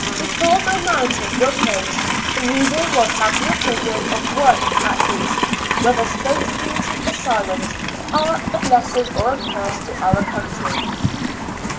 Before my narrative will close, the rea der will have the opinion of one, at least, whether State lunatic asylums are a blessing or a curse to our country.